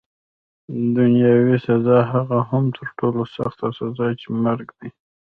دنیاوي سزا، هغه هم تر ټولو سخته سزا چي مرګ دی.